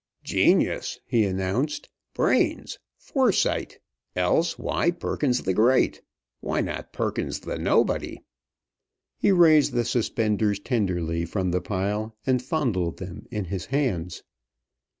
"Genius!" he announced. "Brains! Foresight! Else why Perkins the Great? Why not Perkins the Nobody?" He raised the suspenders tenderly from the pile, and fondled them in his hands.